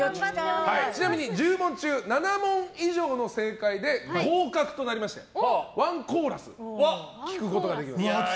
ちなみに１０問中７問以上の正解で合格となりましてワンコーラス聴くことができます。